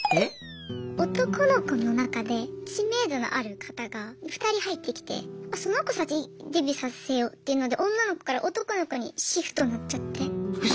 男の子の中で知名度のある方が２人入ってきてその子先にデビューさせようっていうので女の子から男の子にシフトになっちゃって。